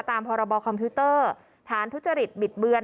ตามพรบคอมพิวเตอร์ฐานทุจริตบิดเบือน